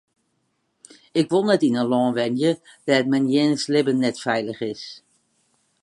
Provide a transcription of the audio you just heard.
Ik wol net yn in lân wenje dêr't men jins libben net feilich is.